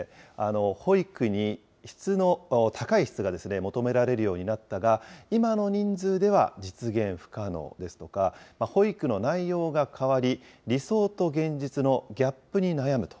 保育に高い質が求められるようになったが、今の人数では実現不可能ですとか、保育の内容が変わり、理想と現実のギャップに悩むと。